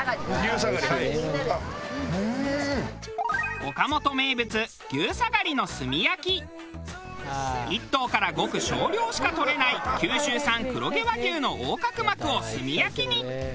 おかもと名物１頭からごく少量しか取れない九州産黒毛和牛の横隔膜を炭焼きに。